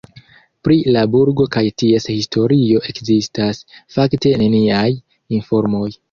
Pri la burgo kaj ties historio ekzistas fakte neniaj informoj.